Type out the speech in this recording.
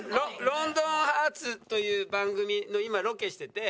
『ロンドンハーツ』という番組の今ロケしてて。